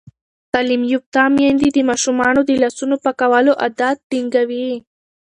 تعلیم یافته میندې د ماشومانو د لاسونو پاکولو عادت ټینګوي.